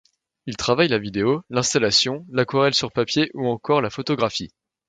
Il travaille la vidéo, l'installation, l'aquarelle sur papier ou encore la photographie.